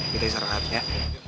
kita bisa rahat ya